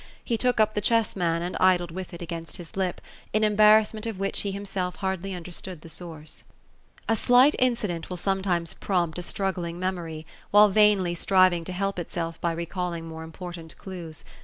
He took up the chess man, and idled with it against his lip, in embarrassment of which he himself hardly understood the source. A slight incident will sometimes prompt a struggling memory, while ▼ainly striving to help itself by recalling more important clues.